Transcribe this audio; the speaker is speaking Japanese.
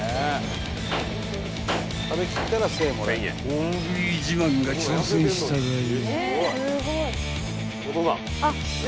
［大食い自慢が挑戦したがよ］